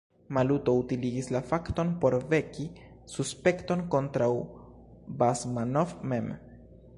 Maluto utiligis la fakton por veki suspekton kontraŭ Basmanov mem.